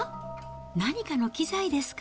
何かの機材ですか？